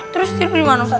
terus tidur dimana ustaz